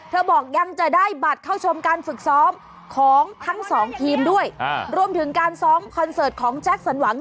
บอกยังจะได้บัตรเข้าชมการฝึกซ้อมของทั้งสองทีมด้วยรวมถึงการซ้อมคอนเสิร์ตของแจ็คสันหวัง